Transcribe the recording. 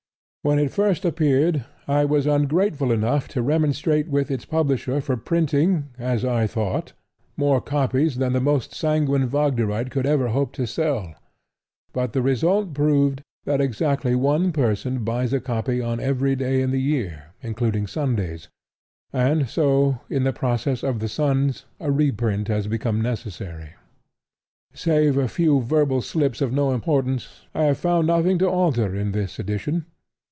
When it first appeared I was ungrateful enough to remonstrate with its publisher for printing, as I thought, more copies than the most sanguine Wagnerite could ever hope to sell. But the result proved that exactly one person buys a copy on every day in the year, including Sundays; and so, in the process of the suns, a reprint has become necessary. Save a few verbal slips of no importance, I have found nothing to alter in this edition.